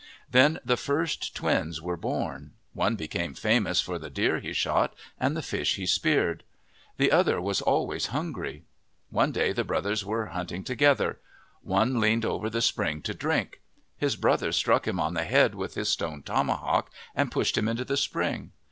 Then the first twins were born. One became famous for the deer he shot and the fish he speared. The other was always hungry. One day the brothers were hunting together. One leaned over the spring to drink. His brother struck him on the head with his stone tomahawk and pushed him into the spring.